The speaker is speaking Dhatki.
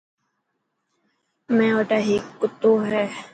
مين وٽا هيڪ ڪتو هي.